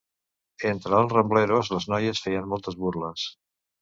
Entre els Rambleros, les noies feien moltes burles.